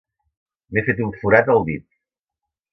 M'he fet un forat al dit.